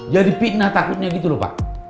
jadi pina takutnya gitu loh pak